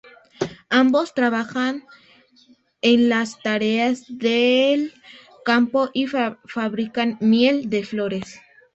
Ambos trabajan en las tareas del campo y fabrican miel de flores.